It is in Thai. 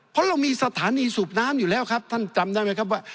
เพราะเรามีสถานีสูบน้ำอยู่แล้วครับท่านจำได้ไหมครับว่า